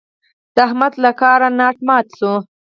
د احمد له کاره ناټ مات شو.